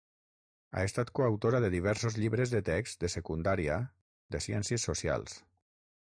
Ha estat coautora de diversos llibres de text de secundària de Ciències Socials.